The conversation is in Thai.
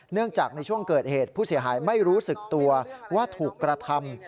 เนื่องจากในช่วงเกิดเหตุผู้เสียหายไม่รู้สึกตัวว่าถูกกระทำ